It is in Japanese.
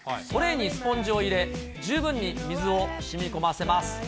トレーにスポンジを入れ、十分に水をしみこませます。